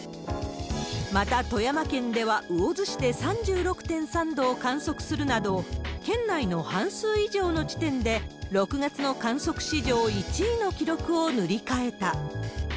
また、富山県では魚津市で３６．３度を観測するなど、県内の半数以上の地点で、６月の観測史上１位の記録を塗り替えた。